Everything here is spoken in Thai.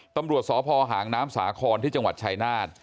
ตำรวจสพหางน้ำสาครที่จังหวัดชายนาฏ